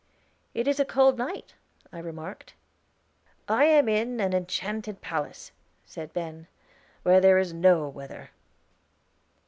"It is a cold night," I remarked. "I am in an enchanted palace," said Ben, "where there is no weather."